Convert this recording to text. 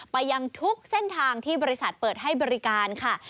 ไปยังทุกเส้นทางที่บริษัทเปิดให้บริการค่ะ